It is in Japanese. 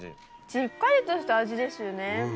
しっかりとした味ですよね。